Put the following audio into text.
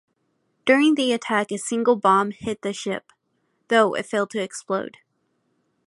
During the attack, a single bomb hit the ship, though it failed to explode.